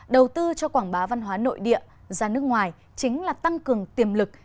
đầu tư cho quảng bá văn hóa nội địa ra nước ngoài chính là tăng cường tiềm lực